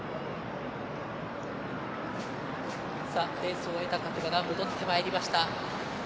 レースを終えた各馬が戻ってまいりました。